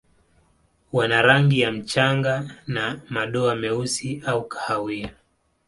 Wana rangi ya mchanga na madoa meusi au kahawia.